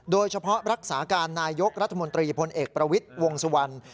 โดยเฉพาะรักษาการนายกรัฐมนตรีพลเอกประวิทย์วงสุวรรณ